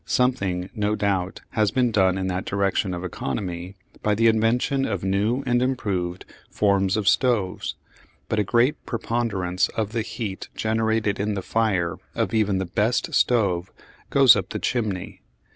Something, no doubt, has been done in the direction of economy by the invention of new and improved forms of stoves, but a great preponderance of the heat generated in the fire of even the best stove goes up the chimney.